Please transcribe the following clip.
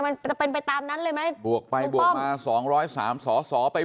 มันจะเป็นไปตามนั้นเลยไหมบวกไปบวกมาสองร้อยสามสอสอไป